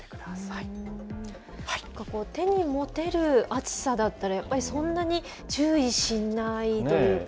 ここ、手に持てる熱さだったら、やっぱりそんなに、注意しないというか。